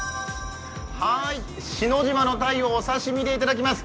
篠島のタイをお刺身でいただきます。